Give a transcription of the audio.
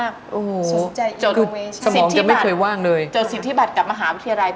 เผลอแป๊ปเดียวนี้ครบปีแล้วค่ะ